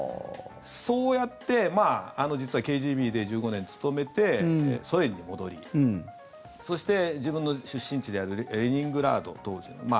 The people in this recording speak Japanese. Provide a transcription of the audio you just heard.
そうやって、実はＫＧＢで１５年勤めてソ連に戻りそして、自分の出身地であるレニングラード、当時の。